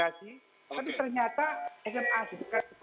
tapi ternyata sma bukan sekolah kita itu juga sempat sempat kita itu baju